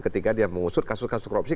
ketika dia mengusut kasus kasus korupsi